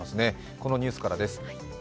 このニュースからです。